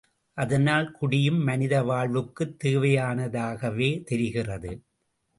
அதனால் குடியும் மனித வாழ்வுக்குத் தேவையானதாகவே தெரிகிறது.